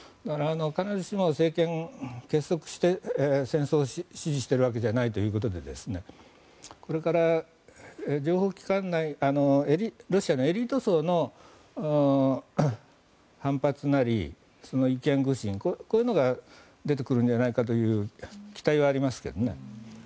必ずしも政権、結束して戦争を支持しているわけじゃないということでこれからロシアのエリート層の反発なりその意見具申、こういうのが出てくるんじゃないかという期待はありますけどね。